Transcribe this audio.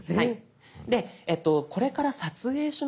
で「これから撮影しますか？」